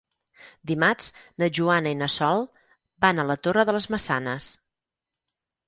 Dimarts na Joana i na Sol van a la Torre de les Maçanes.